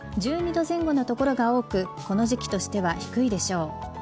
１２度前後の所が多くこの時期としては低いでしょう。